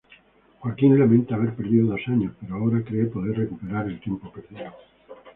Joaquín lamenta haber perdido dos años, pero ahora cree poder recuperar el tiempo perdido.